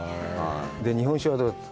日本酒はどうだった？